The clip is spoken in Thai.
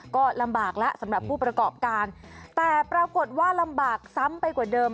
ก็ลำบากแล้วสำหรับผู้ประกอบการแต่ปรากฏว่าลำบากซ้ำไปกว่าเดิม